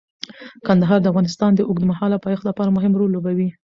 کندهار د افغانستان د اوږدمهاله پایښت لپاره مهم رول لوبوي.